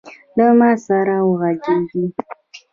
له ما سره وغږیږﺉ .